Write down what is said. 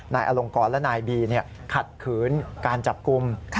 นายอลงกรและนายบีขัดขืนการจับกลุ่ม